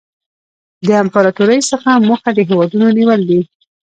له امپراطورۍ څخه موخه د هېوادونو نیول دي